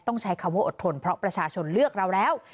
ต้องใช้คำว่าอดทนเพราะประชาชนเลือกเราแล้ว